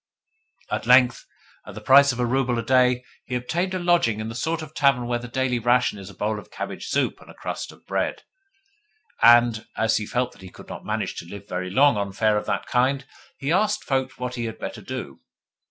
At length, at the price of a rouble a day, he obtained a lodging in the sort of tavern where the daily ration is a bowl of cabbage soup and a crust of bread; and as he felt that he could not manage to live very long on fare of that kind he asked folk what he had better do.